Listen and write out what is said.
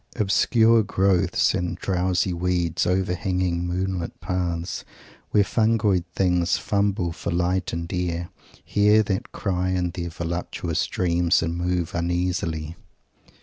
Obscure growths, and drowsy weeds overhanging moon lit paths, where fungoid things fumble for light and air, hear that cry in their voluptuous dreams and move uneasily.